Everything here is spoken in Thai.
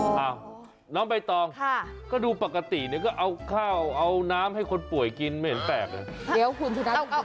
อ้าวน้องใบตองก็ดูปกติเนี่ยก็เอาข้าวเอาน้ำให้คนป่วยกินไม่เห็นแปลกเลย